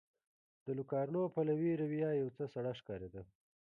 د لوکارنو پلوي رویه یو څه سړه ښکارېده.